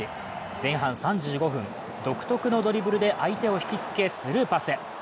前半３５分、独特のドリブルで相手を引きつけスルーパス。